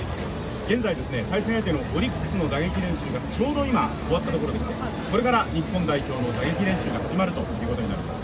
現在、対戦相手のオリックスの打撃練習がちょうど終わったところでしてこれから日本代表の打撃練習が始まるということになります。